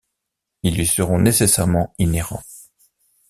Ils lui sont nécessairement inhérents.